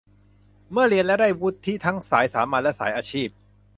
เมื่อเรียนแล้วได้วุฒิทั้งสายสามัญ และ สายอาชีพ